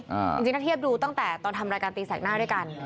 จริงถ้าเทียบดูตั้งแต่ตอนทำรายการตีแสกหน้าด้วยกัน